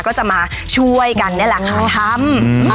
ก็จะมาช่วยกันนี่แหละค่ะทำ